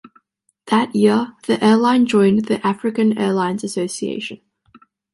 That year, the airline joined the African Airlines Association.